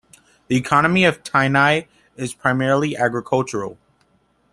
The economy of Tainai is primarily agricultural.